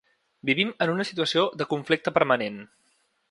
Vivim en una situació de conflicte permanent.